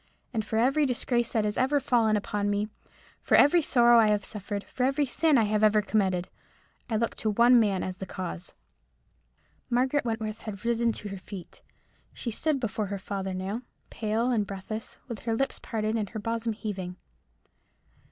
And for every disgrace that has ever fallen upon me—for every sorrow I have ever suffered—for every sin I have ever committed—I look to one man as the cause." Margaret Wentworth had risen to her feet. She stood before her father now, pale and breathless, with her lips parted, and her bosom heaving.